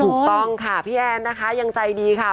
ถูกต้องค่ะพี่แอนนะคะยังใจดีค่ะ